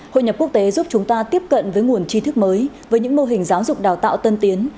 hội nhập quốc tế giúp chúng ta tiếp cận với nguồn chi thức mới với những mô hình giáo dục đào tạo tân tiến